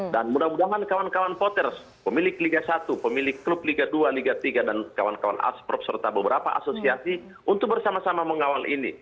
dan mudah mudahan kawan kawan poters pemilik liga satu pemilik klub liga dua liga tiga dan kawan kawan aspr serta beberapa asosiasi untuk bersama sama mengawal ini